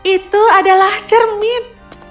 itu adalah cermin